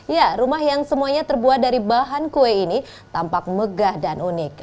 ya rumah yang semuanya terbuat dari bahan kue ini tampak megah dan unik